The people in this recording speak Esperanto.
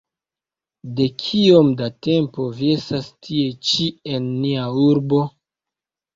De kiom da tempo vi estas tie ĉi en nia urbo?